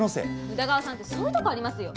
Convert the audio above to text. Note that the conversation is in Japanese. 宇田川さんってそういうとこありますよ。